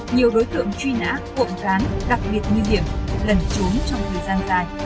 nhiều đối tượng truy nã cuộn cán đặc biệt nguy hiểm lẩn trốn trong thời gian dài